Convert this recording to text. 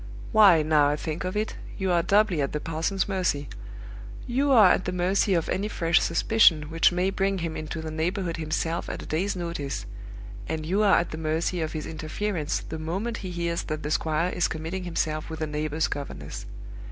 Why, now I think of it, you are doubly at the parson's mercy! You are at the mercy of any fresh suspicion which may bring him into the neighborhood himself at a day's notice; and you are at the mercy of his interference the moment he hears that the squire is committing himself with a neighbor's governess.